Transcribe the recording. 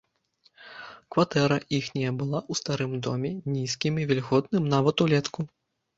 Кватэра іхняя была ў старым доме, нізкім і вільготным нават улетку.